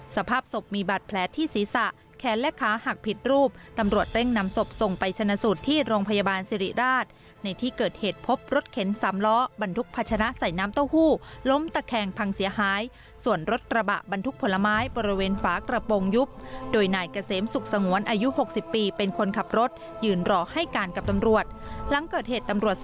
สภาพศพมีบาดแผลที่ศีรษะแขนและขาหักผิดรูปตำรวจเร่งนำศพส่งไปชนะสูตรที่โรงพยาบาลสิริราชในที่เกิดเหตุพบรถเข็นสามล้อบรรทุกพัชนะใส่น้ำเต้าหู้ล้มตะแคงพังเสียหายส่วนรถกระบะบรรทุกผลไม้บริเวณฝากระโปรงยุบโดยนายเกษมสุขสงวนอายุ๖๐ปีเป็นคนขับรถยืนรอให้การกับตำรวจหลังเกิดเหตุตำรวจส